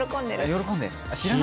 喜んでる。